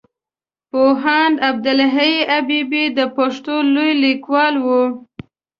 پوهاند عبدالحی حبيبي د پښتو لوی ليکوال وو.